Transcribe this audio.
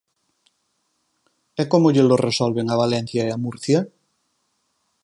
¿E como llelo resolven a Valencia e a Murcia?